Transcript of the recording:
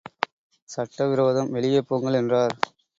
சட்ட விரோதம், வெளியே போங்கள் என்றார்.